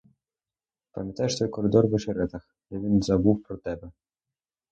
Пам'ятаєш той коридор в очеретах, де він забув про тебе.